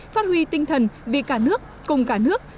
phát huy tinh thần vì cả nước cùng cả nước